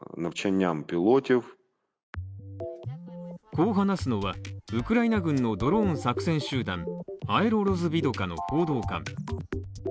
こう話すのは、ウクライナ軍のドローン作戦集団アエロロズヴィドカの報道官。